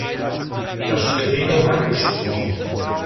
Das Plenum hat gesprochen.